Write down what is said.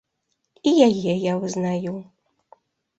І яе я вызнаю.